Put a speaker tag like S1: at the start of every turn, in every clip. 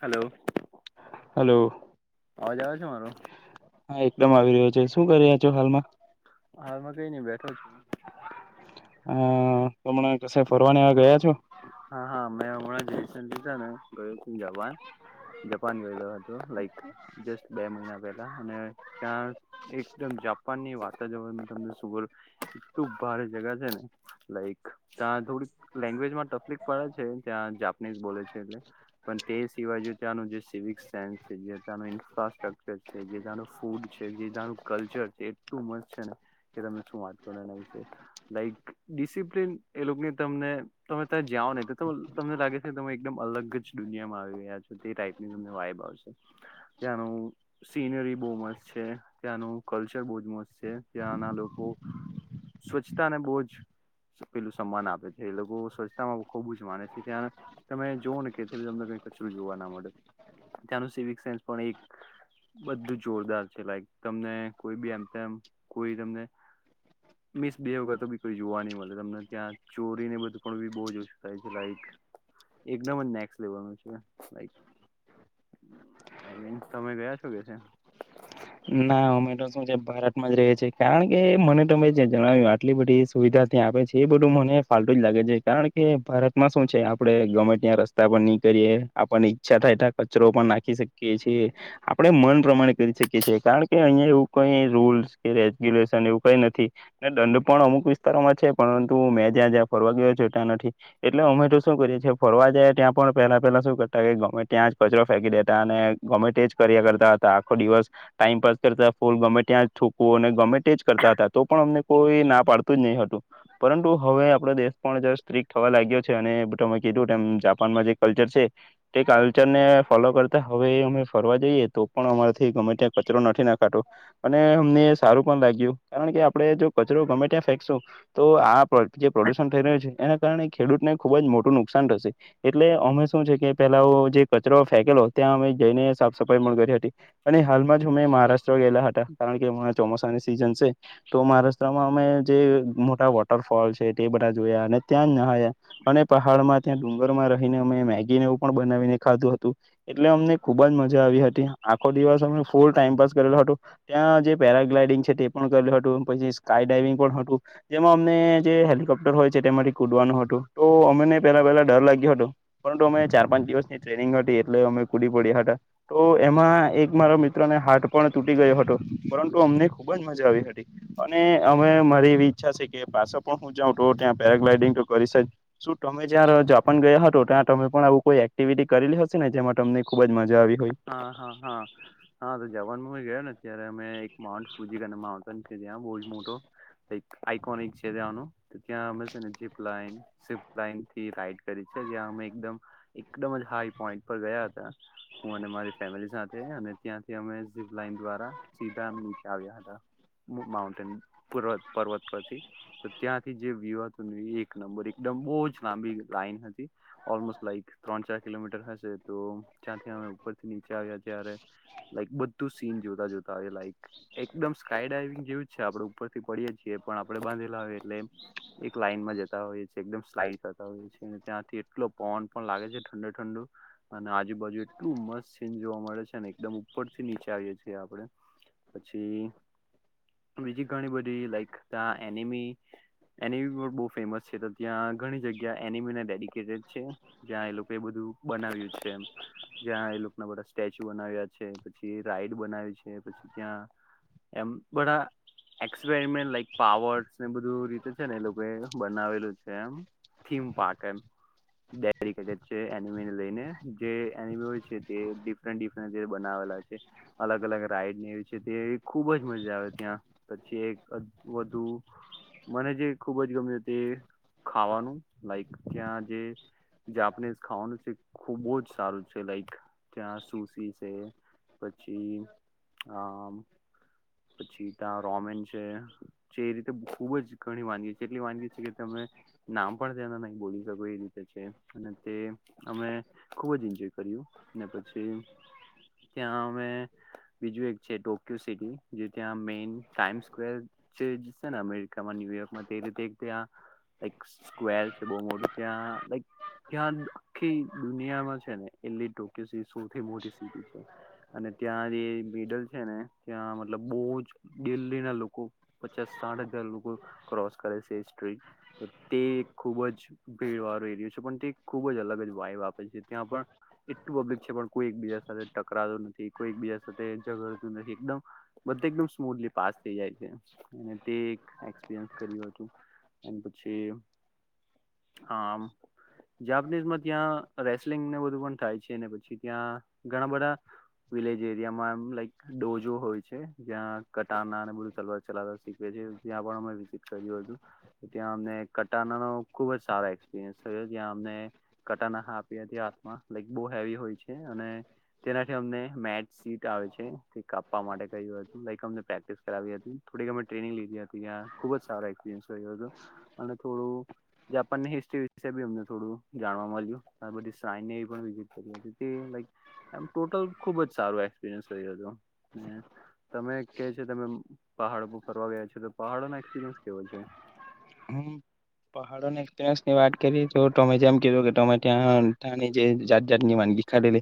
S1: Hello.
S2: Hello.
S1: અવાજ આવે છે મારો?
S2: હા એકદમ આવી રહ્યો છે. શું કરી રહ્યા છો હાલમાં?
S1: હાલમાં કઈ નઈ બેઠો છ
S2: અ તમને કશે ફરવાની ગયા છો
S1: હા હા મેં હમણાં જ રસ લધા ને ગયો જવાાન જપાન ગયલો હતો લાઈક જસ્ટ બે મહિના પહેલા અને ત્યાં એકદમ જાપાન ની વાતા જવરણમાં તમને સુુંગર એટલું ભારે જગા છે ને લાઈક ત્યા થોડીક લેંગ્વેજ માટે તકલીફ પડે છે ત્યાં જાપનીઝ બોલે છે એટલે પણ તે સિવાય ત્યાં સેન્ જે ઇન્ફ્રાસ્ટ્રકચર છે જે ત્યાનું ફૂડ છે જે ત્યાનું કલ્ચર છે ને વા કરો લક ડિસપ્લન એ લોકોની તમને તમે ત્યાં જાઓ નહીં તો તમને લાગે છે કે તમે એકદમ અલગ જ દુનિયામાં આવી ગયા છો તે ટાઈપ ની તમને વાઇબ આપ ત સીનરી બહ મસ્ત છે ત્યાંનું કલ્ચર બહ જ મસ્ત છે ત્યાંના લોકો સ્વચ્છતા ને બહુ જ પેલું સન્માન આપે છે એ લોકો સ્વચ્છતામાં ખુબ જ માને છે ત્યાં તમે જોવઓ ને કેી તમને કઈ કચરું જોવા ના મળે ત્યાંનું સિવિક સેન્સ પણ એક બધું જોરદાર છે લાઈક તમને કોઈ બી એમ તેમ કોઈ તમને મિસ બે વખત બી કોઈ જોવા ન મળે તમને ત્યાં ચોરીને બધું પણ બી બહ જ ઓછું થાય છે લક એકદમ જ નેક્સ લેવાનું છે લ ન્સ તમે ગયા છો કે છે
S2: ના ઓમેટો શું છે ભારતમાં જ રહે છે કારણ કે મને તમે જણાવ્યું આટલી બધી સુવિધા આપે છે એ બધું મને ફતું જ લાગે છે કારણ કે ભારતમાં શું છે આપડે ગર્મેન્ટ ત્યાં રસ્તા પર ની આપણને ઈચ્છા થાય કચરો પણ નાખી શકીએ છીએ આપણેે મન પ્રમાણે કરી શકીએ કારણ કે અહીિયાંયા એવું કઈ રૂલ્સ કે રેગ્યુલેશન એવું કઈ નથીને દંડ પણ અમુક વિસ્તાર પરંતુ મેં જ્યાં જ્યાં ફરવા ગયો જોતા્યા નથી એટલે અમે તો શું કરીએ છી ફરવા જાય ત્યાં પણ પેલા પેલા શું કરતા કે ગવર્મે ત્યાં જ કચરો ફેંકી દેતા અને ગવર્મેન્ટ જ કર્યા કરતા હતા આખો દિવસ ટાઈમ પાસ કરતા ફૂલ ગમે ત્યાં છૂકવું અને ગમે તે જ કરતા હતા તો પણ અમને કોઈ ના પાડતું જ નહી પરુ હવે આપ દેશ પણ સ્ટ્રીક થવા લાગ્યો છે અને તમે કીધું જાપાનમાં છે તે કલ્ચરને ફોલો કરતા હવે અમે ફરવા જઈએ તો પણ અમારાથી ગમે ત કચરો નથી નાખાતોતો અને અમને સારું પણ લાગ્યું કારણ કે આપડે જો કચરો ગમે ત્યાં ફેંકશું તો આ જે પ્રદ્યુષણ થઈ રહ્યું છે એને કારણે ખેડૂતને ખુબ જ મોટું નુકસાન થશે એટલે અમે શું છે કે પેલા જે કચરો ફેકેલો ત્યા અ જઈને સાફ સફાઈ પણ કરી હતી અને હાલમાં જ હુંં મહારાષ્ટ્ર ગેલા હતા કારણ કેરા ચોમાસાની સિઝન છે તો મહારાષ્ટ્રમાં અમે જે મોટા વોટરફોલ છે તે બધા જોયા અને ત્યાં ના અને પહાડમાં ત્યાં ડુંગર માં રહીને અમે મેગીનેવ પણ બનાવીને ખાધું હતું એટલે ખુબજ મજા આવી હતી આખો દિવસ અ ફૂલ ટાઈમપાસ કરેલું હતું ત્યાં જે પેરાગ્લાઇડિંગ છે તે પણ કરેલું હતું પછી સ્કાય ડાઈવિંગ પણ હતું. જેમાં અમને જે હેલિકોપ્ટર હોય છે તેમાંથી કુદવાનું હતું તો અમને પેલા પહેલા ડર લાગ્યો હતો. પરંતુ અમે ચાર પાંચ દિવસની ટ્રેનિંગ હતી એટલે અમે કુડી પડ્યા હતા તો એમાં એક મારા મિત્ર હાટ પણ તૂટી ગયો હતો પરંતુ અમને ખુબ જ મજા આવી હતી. અને અમે મારી એવી ઈચ્છા છે કે પાછ પણ હું જાઉ તો ત્યાં પેરાગ્લાઈડિંગ તો કરી છે. શું તમે જ્યાં જાપાન ગયા હતો ત્યાં તમે પણ આવું કોઈ એક્ટિવિટી કરેલી હશે ને જેમાં તમને ખુબ જ મજા આવી
S1: હા હા હા હા તો જવાન માં ગયો ને અ્યારે અમે એક માઉન્ટ ફુજી અને માઉન્ટ છે ત્યા બ જ મોટોક આઈકોનિક છે ત્યાંનું ત્યાં અમેને જીપ લાઇન્ થી લાઈન્ કરી છે એકદમ જ હાઈ પોઈન્ટ પર ગયા હતા. હુ અને મારી ફેમલી સાથે અને ત્યાથી અમે તીયાથી જીબફ લાઈન દ્વારા સિદા મુકી આવ્યા હતા માઉન્ટેન પર્ પર્વત પરથી ત્યાંથી જે વ્યુ હતું એક નંબર એક બોજ લાંબી લાઈન હતી ઓલમોસ્ટ લાઈક ત્રણ ચાર કિલોમીટર હશે તો ત્યાંથી અમે ઉપ્પર થી નીચે આવ્યા ત્યારે લાઇક બધું સીન જોતા જોતા આવ લક એકદમ સ્કાય ડવિંગ જેી જ છે આપડે ઉપર થી પડીએ છીએ પણ આપડે બાંધેલા હો એટલે એક લાઈન માં જતા હોય છે એકદમ સ્લાઈડ થતા હોય છે અને ત્યાંથી એટલો પોન પણ લાગે છે ઠંડુ-ઠંડુ અને આજુ બાાજુ સીન જોવા મળે છે ને એકદમ ઉપર થી નીચે આવીએ છીએ આપણે પછી બીજી ઘણી બધી લાઈક ત્યા એનિમી એનીમી પણ બો ફેમસ છે તો ત્યાં ઘણી જગ્યા એનિમે ન ડેડીિકેટેડ છે જ્યાં એ લોકો એ બધું બનાવ્યું છે એમ જ્યાં એ ભોક ના બધા સ્ટેચ્યુ બનાવ્યા છે પછી રાઈડ બનાવી છે પછી ત્યાં એમ બડાા એક્સપેરમેન્ટ લાઈક પાવર્સ ને બધું રીતે છે ને એ લોકો બનાવેલું છે એમ થીમ પાર્ક એમ ડેડિકેટેડ છે એનિમે ને લઈને જે એ [unintelligible] હોય છે તે ડિફર ડિફરતે બનાવેલા છે અલગ અલગ રાઈડને છે તે ખુબ જ જ મજા આવે ત્યાં પછી એક વધુ મને જે ખુબ જ ગમ્યું તે ખાવાનું લાઈક ત્યાં જે જાપનીઝ ખાવાનું છે ખુબ જ સારું છે. લાઈક ત્યાં સુસી છે પછી આમ પછી ત્યાં રોમેન છે જે એ રીતે ખુબ જ ઘણી વાનગી છે એટલી વાનગી છે કે તમે નામ પણ તેના નહી બોલી શકો એ રીતે છે અને તે અમે ખુબ જ એન્જોય કર્યું ને પછી ત્યાં અ બીજું એક છે ટોકયો સિટી જે ત્યાં મે ટાઈમ સ્ક્વેર જ ને અમેરિ ન્યુયોર્કમાં તે રીતે ત્યાં લ સ્કવેર છે બૌ મોહટું ત્યાં લાઇક ત્યા આખી દુનિયામાં છે ને એટલી ટોકીયો સી સૌથી મોટી સીધી છે અને ત્યાં જે મિડલ છેને ત્યાં મતલબ બૌજ બૌજ દિલ્હી ના લોકો પચાસ સાઠ હજાર લોકો ક્રોસ કરે છે સટ તે ખુબ જ ભીડ વાળો એરિયો છે પણ તે ખુબ જ અલગ જ વાઇબ આપે છે ત્યાં પણ એટલું પબ્લિક છે પણ કોઈ એકબીજા સાથે ટકરાતું નથી કોઈ એકબીજા સાથે ઝઘડતું નથી એકદમ બધ એકદમ સ્મૂદલી પાસ થઈ જાય છે અને તે એક એસપિરયસ કર્યું હતું. અન પછી હમ જાપનીઝ મત રેસલિંગને થાય છે પછી ત્યાં ઘણા બધા વિલેજ એરિયામાં એમ લાઈક ડોજો હોય છે જ્યાં કટાના અને બધું તલવાર ચલાવતા શીખવે છે. ત્યા પણ હમે વિઝિટ કર્યુ હતુ ત્યા હમને કટાના નો ખુબ જ સારા એક્સપિરયન્સ થયો અમને કટાના આપીયી હતી લઇક બૌ હેવી હોય છે અને તેનાથી અમને મેટ સીટ આવે છે તે કાપવા માટે ર્ક્યો હતૂ લાઇક હમને પ્રેક્ટિસ કરાવી હતી થોરિક હમેં ટ્રેનિંગ લીધી હતી આ, ખુબજ સારુ એક્સપિરીયનસ હતુ અને થોડું જાપાનની હિસ્ટ્રી વિશે બી અમને થોડું જાણવા મળ્યું બધી [unintelligible] ટોટલ ખુબ જ સારું એક્સપિરયન્સ રહ્યું હત હમ તમે કે છે તમે પહાડ પર ફરવા ગયા છો તો પહાડોનો એક્સપિરિયન્સ કેવો છે?
S2: હમ પહાડોની એક્સપરયન્સની વાત કરી તો તમે જેમ કીધુ તો મે ત્યાં ત જે જાત જાત ની વાનગીખાડે લ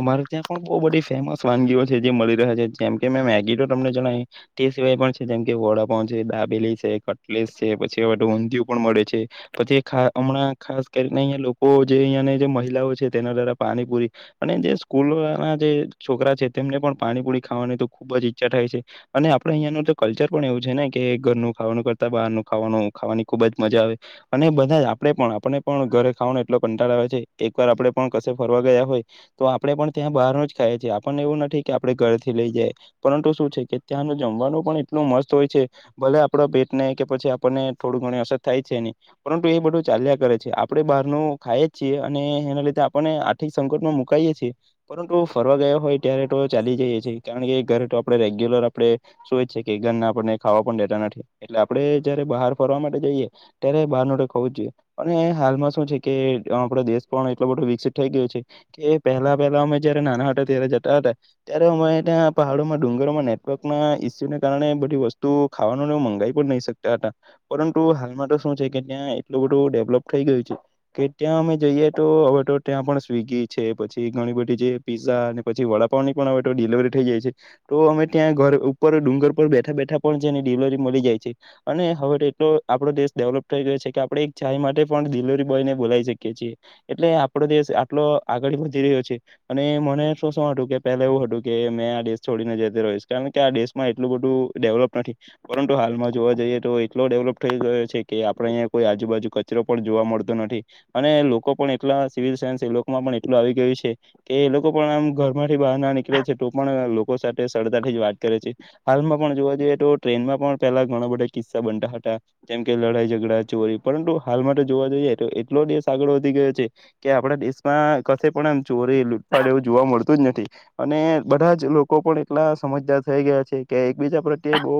S2: અમારે ત્યાં બહુ બધી ફેમસ વાનગીઓ છે જે મળી રહ્યા છે જેમ કે મેં મેગી તો તમને જણાવ તે સિવાય પણ છે જેમ વડાપાવ દાબેલી છે કટલેસ છે પછી છે વટે ઊંધિ પણ મળે છે પછી હમણાં ખાસ કરીને અહિયાં લોકો જે અહિયાં જે મહિલાઓ તેના દ્વા પાણીપુરી અને જે સ્કૂલ ના જે છોકરા છે તેમને પણ પાણીપુરી ખાવાની તો ખુબ જ ઈચ્છા થાય છે અને આપડે અહિયાંનું તો કલ્ચર પણ એવું છે ને કે ઘરનું ખાવાનું કરતા બહારનું ખાવાનું ખાવાની ખુબ જ મજા આવે અને બધા આપણે પણ આપને પણ ઘરે ખાવાનો એટલો કંટળો આવે છે એક વાર આપણે પણ ક ફરવા ગયા હોય તો આપણે પણ ત્યાં બહાર ન જ ખાઈએએ આપણને એવું નથી કે આપણે ઘરે થી લઈ જય પરંતુ શું છે કે ત્યાંનું જમવાનું પણ એટલું મસ્ત હોય છે ભલે આપડા ભેટ ને કે પછી આપને થોડું ઘણી અસર થાય છે નહી પરંતુ એ બધું ચાલ્યા કરે છે આપડે બહાર નુ ખાઈએ જ છીએ અને એના લીધે આપણે આર્થિક સંકટમાં મુકાઈએે છીએ પરંતુ ફરવા ગયા હોય ત્યારે તો ચલી જઈએ છીએ કારણ એ ઘરે તો આપડણે રેગ્યુલર આપડે સયી કે ઘરને આપણને ખાવા પણ દેતા નથી એટલે આપે જારે બહાર ફરવા માટે જઈએ ત્યારે બહાર ન હોવું જ જોઈએ અને હાલમાં શું છે કે આપડે દેશ પણ એટલો બધો વિકસિત થઈ ગયો છે કે પહેલા પહેલા અમે જયારે નાના હ ત્યારે જતા હતા ત્યારે અમે ત્યાં પહાડોમાં ડુંગરોમાં નેટવર્ક ના ઈસ્યુને કારણે બધી વસ્તુ ખાવાનું મંગાવી પણ નહીં શકે ગયાતા પરંતુ હાલમાં તો શું છે કે ત્યાં એટલું બધું ડેવલપ થઈ ગયું છે કે ત્યાં અમે જઈએ ત્યાં તો પણ સ્વિગી છે પછી ઘણી બધી જે પીઝા અને પછી વડાપાવની પણ દીલવરી થઇ જાય છે તો અમે ત્યાં ઘર ઉપર ડુંગર પર બેઠા બેઠા પણ જેની ડિલવરી મળી જાય છે અને હવે તો એટલો આપડો દેશ ડેવલોપ થઈ ગયો છે કે આપડે એક ચાય માટે પણ ડિલવરી બોયને બોલાવી શકીએ છીએ એટલે આપડો દેશ આટલો આગળ વધી રહ્યો છે અને મને શું શ હત્યું કે પેલા એવું હતું કે મેં આ દેશ છોડીને જ રહીશ કારણ કે આ દેશમાં એટલું બધું ડેવલપ નથી પરંતુ હાલમાં જોવા જઈએ તો એટલો ડેવલપ થઈ ગયો છે કે આપડે અહીંયા કોઈ આજુબાજુ કચરો પણ જોવા મળતો નથી અને એમ લોકો પણ એટલા સિવિલ સાયન્સ એ લોકોમાં પણ એટલું આવી ગયું છે કે એ લોકો પણ આમ ઘર થી બહાર ના નીકળે થે છે તો પણ લોકો સાથે સરતા થી જ વાત કરે છે હાલમાં પણ જોવા જઈએ તો ટ્રેનમાં પણ પેલા ઘણા બધા કિસ્સા બનતા હતા જેમ કે લડાઈ ઝઘડા ચોરી પરંતુ હાલ માટે જોવા જઈએ તો એટલો દેશ આગળ વધી ગયો છે કે આપડા દેશમાં ક પણ એમ ચોરી લૂટફાડ એવું જોવા મળતું તુજ નથી અને બધા જ લોકો પણ એટલા સમજદાર થઈ ગયા છે કે એકબીજા પ્રત્યે બહુ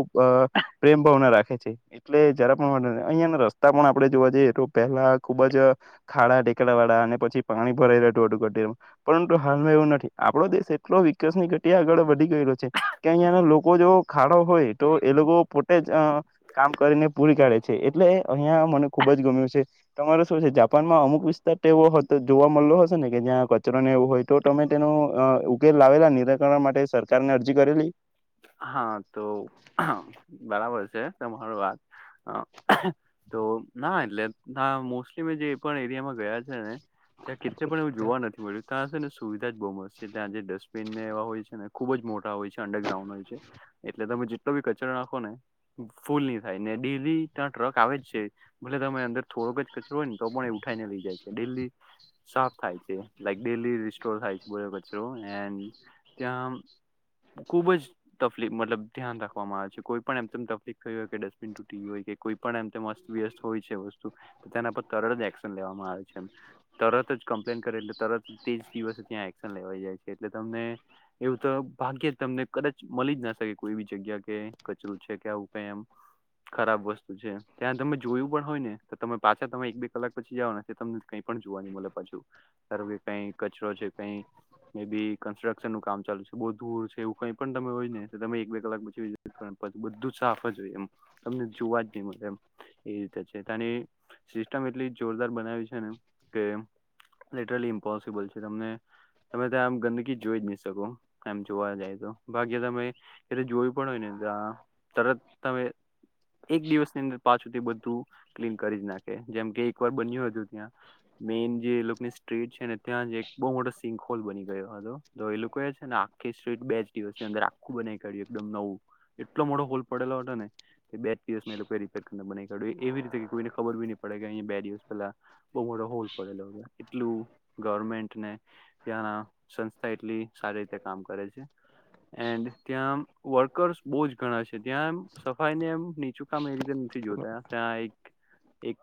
S2: પ્રેમ ભાવને રાખે છે એટલે જરા પણ અહિયાયાને રસ્તા પણ આપડણે જોવા જઈએ તો પહેલા ખુબ જ ખાડા ટેકડા વાળા અને પછી પાણી ભરાઈ રહ હતુંટું પરંતુ હાલમાં એવું નથી આપડો દેશ તો વિકાસ ની ઘટિયા આગળ વધી ગયેલો છે કે અહિયાં લોકો જો ખાડો હોય તો એ લોકો પો તેજ અ કામ કરીને પૂરી કાઢે છે એટલે અહિયાં મને ખુબ જ ગમ્યું છે તમારે શું છે જાપાન તપાનમાં અમુક વિસ્તાર એવો જોવા મળલો હશે ને કે જ્યાં કચરોને એવું હોય તો તમે તેનું ઉકેલ લાવેલા નિરાકરણ માટે સરકાર ને અરજી કરેલી
S1: હા તો બરાબર છે તમરો વાત હ તો ના એટલે ના મોસ્ટલી મેં જે પણ એરિયામાં ગયા છે ને ત્યાં કી પણ એવું જોવા નથી મળ્યું ત્યાં ને સુવિધા જ બહુ મસ્ત છે ત્યાં જે ડસ્ટબિનને એવા હોય છે ને ખુબજ મોટ હોય છે અડરગ્રાઉડ એટલે તમે જેટલો બી કચરો નાખો ને ફૂલ નહી થાય ટેરી ત્યાં ટ્રક આવે જ છે ભલે તમે અંદર થોડોક જ કચરો હોય ને તો પણ એ ઉઠાઈને લઈ જાય છે ડેલી જ સાફ થાય છે લાયક ડેસ્ટોર થાય છે કચરો એડ ત્યાં ખુબ જ તકલી મતલબ ધ્યાન રાખવામાં આવે છે કોઈ પણ એમ તકલીફ થ હોય કે ડસ્ટબિન તૂટી હોય કે કોઈ પણ એમ વ્ય હોય છે વસ્તુ તો તેના પર તરત એક્શન લેવામાં આવે છે તરત જ કમ્પ્લેન કરે એલે ત તે દિવસે ત્યાં એશન લેવાઈ જાય છે એટલે તમને એવું તો ભાગ્ય તમને કદાચ મળી જ ના શકે કોઈ બી જગ્યા કે કચરું છે કે આવું કઈ એમ ખરાબ વસ્તુ છે ત્યાં તમે જોયું પણ હોય ને તો તમે પાછા તમે એક બે કલાક પછી જવાના તમને કઈ પણ જોવાની મળે પાછું ધાર કે કઈ કચરો છે કઈ મે બી કન્સ્ટ્રક્શન નું કામ ચાલુ છે બ દૂર છે એવું કઈ હોયને તમે એક બે કલાક પછી બધું સાફ જ હોય એમ તમને જોવા જ નહી મળે એમ એ રીતે છે તની સિસ્ટમ એટલી જોરદાર બનાવી છે ને કે લિટરલી ઇમ્પોસિબલ છે તમને તમે ત્યાં આમ ગંદકી જોઈ જ નહી શકો આમ જોવા જાય તો ભાગ્ય તમે એ જોયું પણ હોય નેા તરત તમે એક દિવસની અંદર પાછુંથી બધું ક્લીન કરી જ નાખી જેમ કે એક વાર બન્યું હતું ત્યાં મેન જે લોકોની સ્ટ્રીટ છે ને ત્યાં એક બહુ મોટો સિંક હોલ બની ગયો હતો તો એ ને આખી સ્ટ્રીટ બે દિવસની અંદર આખું બનાવી કાઢ્યું એકદમ નવું એટલો મોો હોલ પડેલો હતો ને કે બે દિવસ એ લોકો ાઢ એવી રીતે કોઈને ખબર બી નહી પડે કે અ બે દિવસ પેલા બહ મોટ હોલ પડેલો એટલું ગવર્મેન્ટને ત્યાંના સંસ્થા એટલી સારી રીતે કામ કરે છે હ એન્ડ ત્યાં વર્કર્સ બહુ જ ઘણા છે ત્યાં એમ સફાઈ ને એમ નીચું કામ એ રીતે નથી જોયું ત એક